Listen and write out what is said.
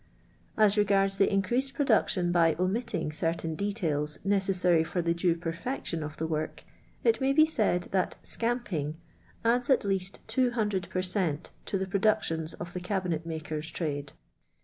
As regards the increased production by omitting certain detail* necetsarg for the due ixflf action of the Kork, it may be said that " scamping " adds at least 200 per cent, to the productions of the cabinet maker's trade.